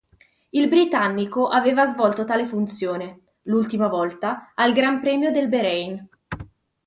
Il britannico aveva svolto tale funzione, l'ultima volta, al Gran Premio del Bahrein.